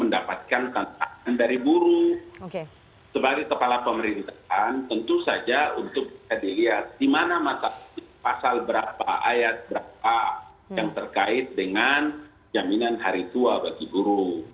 dapatkan tantangan dari buruh sebagai kepala pemerintahan tentu saja untuk di lihat di mana mata pasal berapa ayat berapa yang terkait dengan jaminan hari tua bagi buruh